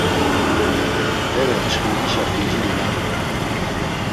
Bere çxindişa fincili naxu.